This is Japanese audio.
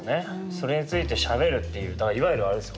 それについてしゃべるっていうといわゆるあれです。